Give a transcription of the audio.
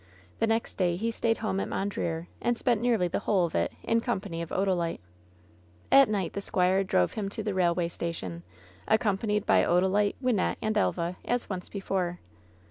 The next day he stayed home at Mondreer, and spent nearly the whole of it in company of Odalite. At night the squire drove him to the railway station, accompanied by Odalite, Wynnette and Elva, as once before.